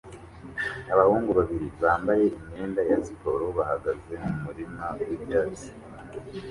Abahungu babiri bambaye imyenda ya siporo bahagaze mu murima wibyatsi